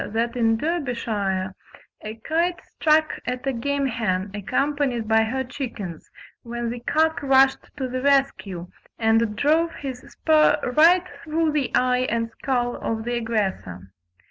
that in Derbyshire a kite struck at a game hen accompanied by her chickens, when the cock rushed to the rescue, and drove his spur right through the eye and skull of the aggressor.